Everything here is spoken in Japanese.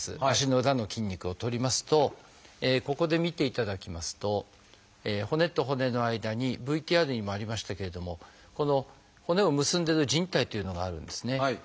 足の裏の筋肉を取りますとここで見ていただきますと骨と骨の間にＶＴＲにもありましたけれどもこの骨を結んでるじん帯っていうのがあるんですね。